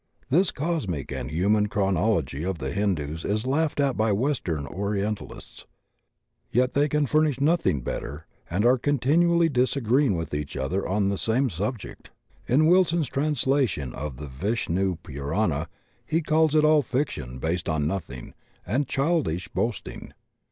This cosmic and human chronology of the Hindus is laughed at by western Orientalists, yet they can furnish nothing better and are continually disagree ing with each other on the same subject. In Wil son's translation of Vishnu Parana he caUs it all fiction based on nothing, and childish boasting.